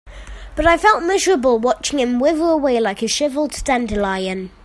But I felt miserable watching him wither away like a shriveled dandelion.